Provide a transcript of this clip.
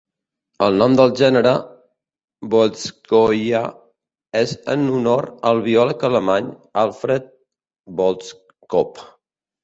El nom del gènere, "Voeltzkowia", és en honor al biòleg alemany Alfred Voeltzkow.